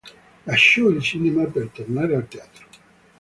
Lasciò il cinema per tornare al teatro.